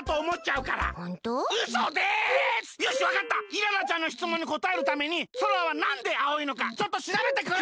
イララちゃんのしつもんにこたえるために空はなんで青いのかちょっとしらべてくる！